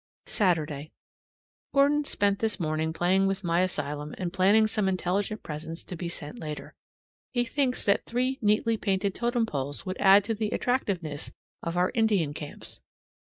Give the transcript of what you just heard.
Saturday. Gordon spent this morning playing with my asylum and planning some intelligent presents to be sent later. He thinks that three neatly painted totem poles would add to the attractiveness of our Indian camps.